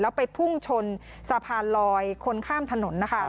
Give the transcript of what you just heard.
แล้วไปพุ่งชนสะพานลอยคนข้ามถนนนะคะ